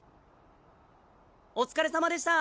お疲れさまでした。